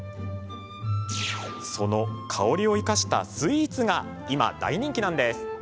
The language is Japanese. その香りを生かしたスイーツが今、大人気なんです。